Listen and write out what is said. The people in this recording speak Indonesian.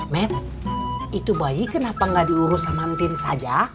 met itu bayi kenapa nggak diurus sama tim saja